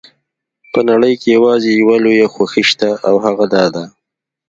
په نړۍ کې یوازې یوه لویه خوښي شته او هغه دا ده.